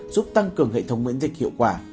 giúp tăng cường hệ thống miễn dịch hiệu quả